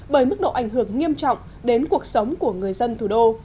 bởi mức độ ảnh hưởng nghiêm trọng đến cuộc sống của người dân thủ đô